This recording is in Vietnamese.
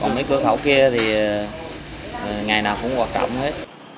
còn mấy cửa khẩu kia thì ngày nào cũng quá chậm hết